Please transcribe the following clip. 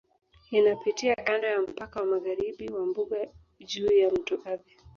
Inapitia kando ya mpaka wa magharibi wa Mbuga juu ya Mto Athi